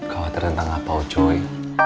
khawatir tentang apa oh cuy